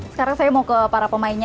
sekarang saya mau ke para pemainnya